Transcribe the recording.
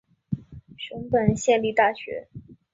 熊本县立大学